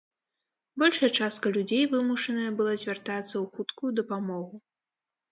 Большая частка людзей вымушаная была звяртацца ў хуткую дапамогу.